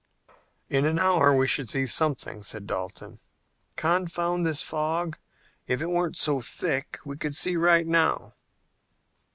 "In an hour we should see something," said Dalton. "Confound this fog. If it weren't so thick we could see now."